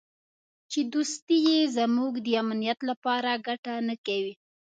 چې دوستي یې زموږ د امنیت لپاره ګټه نه کوي.